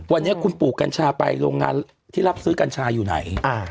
วันนี้คุณปลูกกัญชาไปโรงงานที่รับซื้อกัญชาอยู่ไหน